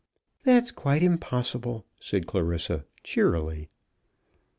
"That's quite impossible," said Clarissa, cheerily.